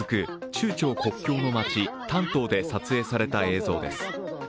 中朝国境の街・丹東で撮影された映像です。